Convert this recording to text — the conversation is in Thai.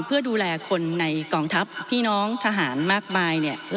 เพื่อดูแลคนในกองทัพพี่น้องทหารมากมาย